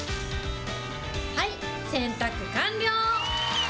はい、洗濯完了。